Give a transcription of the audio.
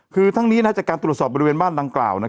คือทั้งนี้จากการตรวจสอบบริเวณบ้านดังกล่าว